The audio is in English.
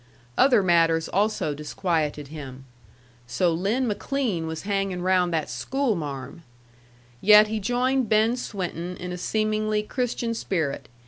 Other matters also disquieted him so Lin McLean was hanging round that schoolmarm! Yet he joined Ben Swinton in a seemingly Christian spirit.